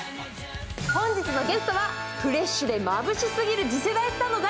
本日のゲストはフレッシュでまぶしすぎる次世代の大